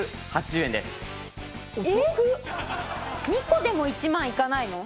２個でも１万いかないの？